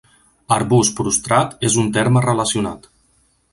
Arbust prostrat és un terme relacionat.